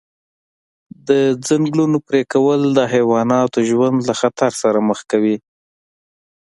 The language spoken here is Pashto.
د ځنګلونو پرېکول د حیواناتو ژوند له خطر سره مخ کوي.